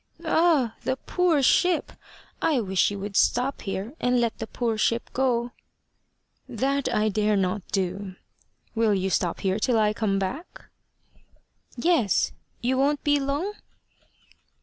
"Ah! the poor ship! I wish you would stop here, and let the poor ship go." "That I dare not do. Will you stop here till I come back?" "Yes. You won't be long?"